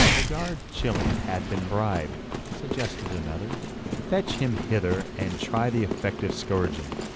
"The guard, Chilion, hath been bribed," suggested another. "Fetch him hither, and try the effect of a scourging.